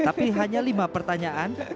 tapi hanya lima pertanyaan